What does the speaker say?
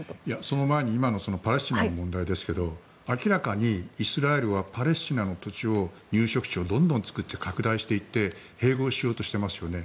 その前に今のパレスチナの問題ですけど明らかに、イスラエルはパレスチナの土地を入植地をどんどん作って拡大して併合しようとしてますよね。